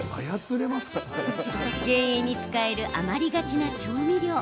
減塩に使える余りがちな調味料。